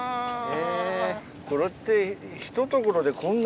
これって。